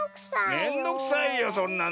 めんどくさいよそんなの。